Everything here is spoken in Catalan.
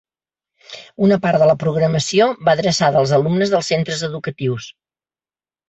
Una part de la programació va adreçada als alumnes dels centres educatius.